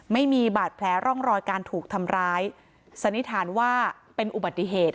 ไม่มีบาดแผลร่องรอยการถูกทำร้ายสันนิษฐานว่าเป็นอุบัติเหตุ